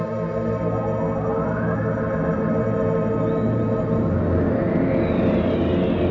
tidak ada yang bisa dikira